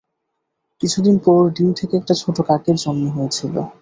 কিছুদিন পর, ডিম থেকে একটা ছোট কাকের জন্ম হয়েছিল।